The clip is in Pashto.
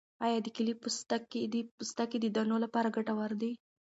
آیا د کیلې پوستکی د پوستکي د دانو لپاره ګټور دی؟